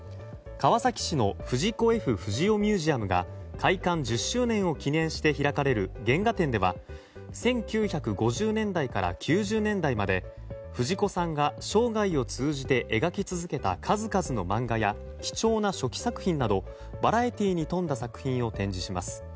川崎市の藤子・Ｆ・不二雄ミュージアムが開館１０周年を記念して開かれる原画展では１９５０年代から９０年代まで藤子さんが生涯を通じて描き続けた数々の漫画や貴重な初期作品などバラエティーに富んだ作品を展示します。